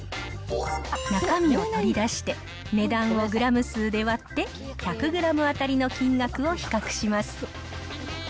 中身を取り出して、値段をグラム数で割って、１００グラム当たりの金額を比較します。